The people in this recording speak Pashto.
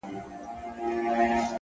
خاموش سکوت ذهن روښانه کوي!.